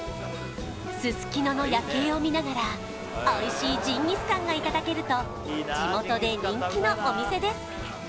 すすきのの夜景を見ながらおいしいジンギスカンがいただけると地元で人気のお店です